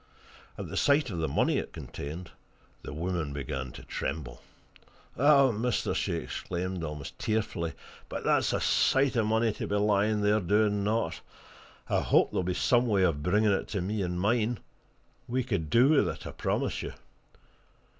At the sight of the money it contained, the woman began to tremble. "Eh, mister!" she exclaimed, almost tearfully, "but that's a sight of money to be lying there, doing naught! I hope there'll be some way of bringing it to me and mine we could do with it, I promise you!"